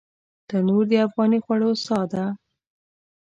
تنور د افغاني خوړو ساه ده